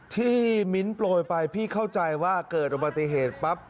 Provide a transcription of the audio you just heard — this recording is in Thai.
มิ้นท์โปรยไปพี่เข้าใจว่าเกิดอุบัติเหตุปั๊บ